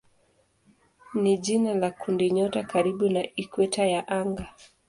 ni jina la kundinyota karibu na ikweta ya anga.